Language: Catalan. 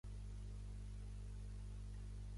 Es creu que són els fills de Giselbert o Arnulf.